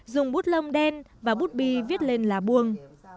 dùng bút lông đen và bút bi viết lên lá buông